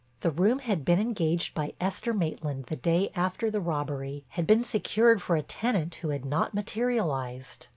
The room had been engaged by Esther Maitland the day after the robbery, had been secured for a tenant who had not materialized.